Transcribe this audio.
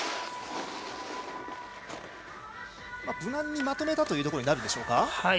無難にまとめたということになるでしょうか。